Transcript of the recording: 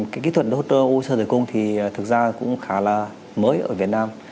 cái kỹ thuật roter u sơ tử cung thì thực ra cũng khá là mới ở việt nam